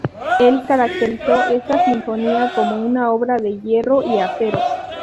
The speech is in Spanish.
Él caracterizó esta sinfonía como una obra de "hierro y acero".